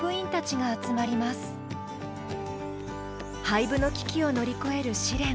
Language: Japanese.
廃部の危機を乗り越える試練。